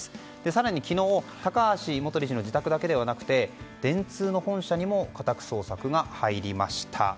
更に昨日、高橋元理事の自宅だけでなく電通本社にも家宅捜索が入りました。